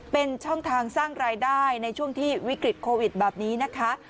เป็นช่องทางสร้างรายได้ในช่วงที่วิกฤตโควิดแบบนี้นะคะ